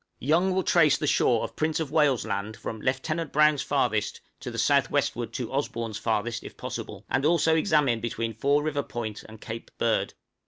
Young will trace the shore of Prince of Wales' Land from Lieutenant Browne's farthest, to the south westward to Osborn's farthest, if possible, and also examine between Four River Point and Cape Bird.